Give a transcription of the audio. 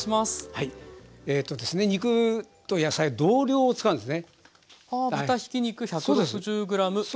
肉と野菜同量を使うんですね。